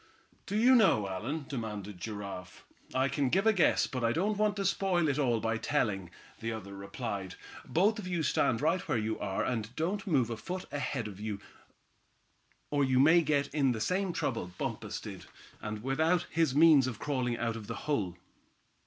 "Do you know, Allan?" demanded Giraffe. "I can give a guess, but I don't want to spoil it all by telling," the other replied. "Both of you stand right where you are, and don't move a foot ahead, or you may get in the same trouble Bumpus did, and without his means of crawling out of the hole."